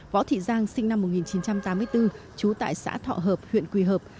võ thị giang sinh năm một nghìn chín trăm tám mươi bốn trú tại xã thọ hợp huyện quỳ hợp